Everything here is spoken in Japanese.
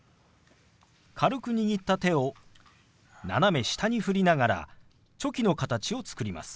軽く握った手を斜め下に振りながらチョキの形を作ります。